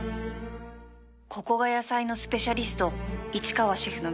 ここが野菜のスペシャリスト市川シェフの店